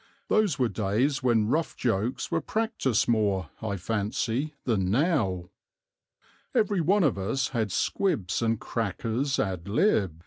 Those were days when rough jokes were practised more, I fancy, than now. Every one of us had squibs and crackers _ad lib.